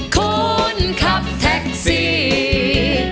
คนขับแท็กซี่